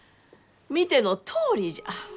見てのとおりじゃ！